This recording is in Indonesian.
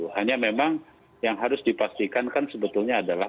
hanya memang yang harus dipastikan kan sebetulnya adalah